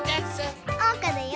おうかだよ！